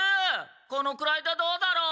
このくらいでどうだろう？